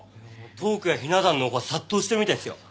トークやひな壇のオファー殺到してるみたいっすよ。